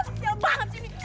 sial banget sini